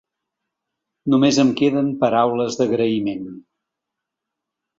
Només em queden paraules d’agraïment.